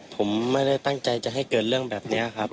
ผมไม่ได้ตั้งใจจะให้เกิดเรื่องแบบนี้ครับ